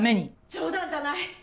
冗談じゃない。